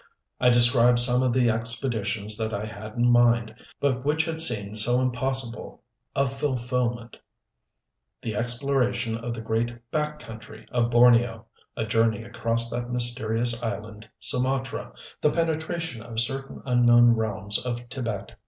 I described some of the expeditions that I had in mind but which seemed so impossible of fulfillment the exploration of the great "back country" of Borneo, a journey across that mysterious island, Sumatra, the penetration of certain unknown realms of Tibet.